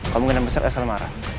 kemungkinan besar elsa lemar